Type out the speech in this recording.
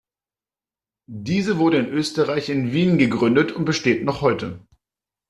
Diese wurde in Österreich in Wien gegründet und besteht noch heute.